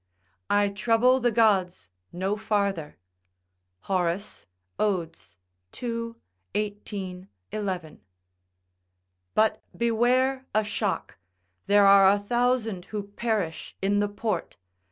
["I trouble the gods no farther." Horace, Od., ii. 18, 11.] But beware a shock: there are a thousand who perish in the port.